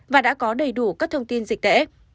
và đã có đầy đủ các thông tin dịch tễ